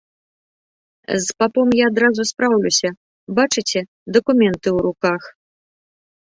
З папом я адразу спраўлюся, бачыце, дакументы ў руках.